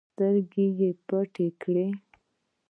سترګې پټې کړې